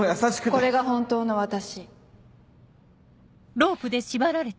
これが本当の私。